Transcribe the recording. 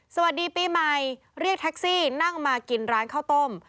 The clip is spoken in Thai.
สวัสดีปีใหม่เรียกแท็กซี่นั่งมากินร้านข้าวต้ม